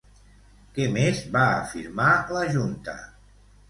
Què més va afirmar la junta?